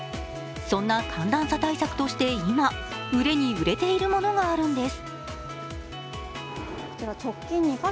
そんな寒暖差対策として今、売れに売れているものがあるんです。